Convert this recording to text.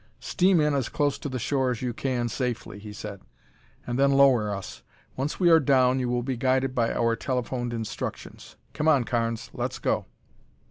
"Steam in as close to the shore as you can safely," he said, "and then lower us. Once we are down, you will be guided by our telephoned instructions. Come on, Carnes, let's go."